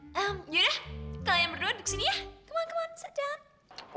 eee yaudah kalian berdua duduk sini ya come on come on sit down